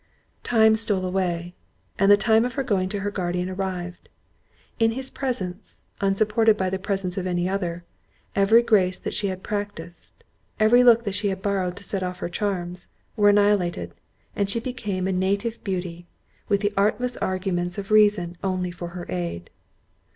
Time stole away, and the time of going to her guardian arrived. In his presence, unsupported by the presence of any other, every grace that she had practised, every look that she had borrowed to set off her charms, were annihilated; and she became a native beauty, with the artless arguments of reason only for her aid.